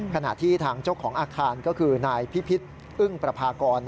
ขณะที่ทางเจ้าของอาคารก็คือนายพิพิษอึ้งประพากร